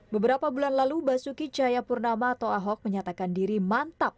beberapa bulan lalu basuki cahayapurnama atau ahok menyatakan diri mantap